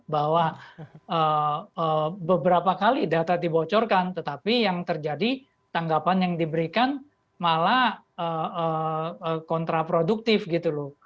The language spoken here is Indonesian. bahwa beberapa kali data dibocorkan tetapi yang terjadi tanggapan yang diberikan malah kontraproduktif gitu loh